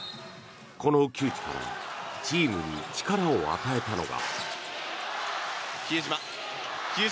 この窮地からチームに力を与えたのが。